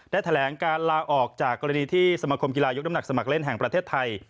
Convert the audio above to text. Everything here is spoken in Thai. แถลงการลาออกจากกรณีที่สมคมกีฬายกน้ำหนักสมัครเล่นแห่งประเทศไทย